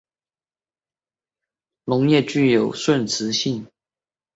这一作用方式类似于顺磁性水盐溶液当中的离子作用使得溶液具有顺磁性。